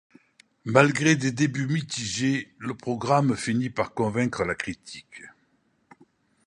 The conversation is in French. Malgré des débuts mitigés, le programme finit par convaincre la critique.